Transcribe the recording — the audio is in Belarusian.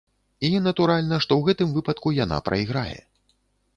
І, натуральна, што ў гэтым выпадку яна прайграе.